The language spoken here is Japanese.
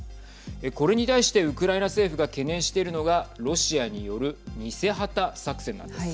これに対してウクライナ政府が懸念しているのがロシアによる偽旗作戦なんです。